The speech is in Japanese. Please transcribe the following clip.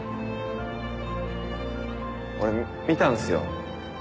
俺見たんすよ。